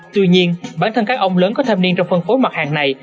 tuy nhiên bản thân các ông lớn có tham niên trong phân phối mặt hàng này